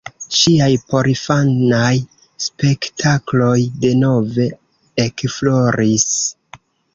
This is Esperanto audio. Ŝiaj porinfanaj spektakloj denove ekfloris.